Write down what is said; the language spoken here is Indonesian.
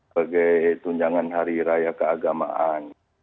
sebagai tunjangan hari raya keagamaan